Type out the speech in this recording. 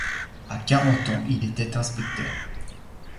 À quarante ans il était inspecteur.